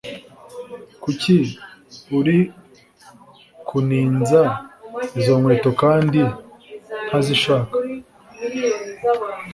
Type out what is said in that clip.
Kuki uri kuninza izo nkweto kandi ntazishaka